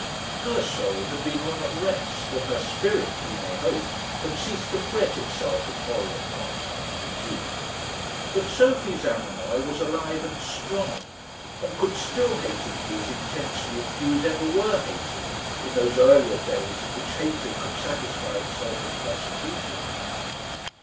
Her soul had been long at rest, and her spirit, we may hope, had ceased to fret itself in horror at contact with a Jew. But Sophie Zamenoy was alive and strong, and could still hate a Jew as intensely as Jews ever were hated in those earlier days in which hatred could satisfy itself with persecution.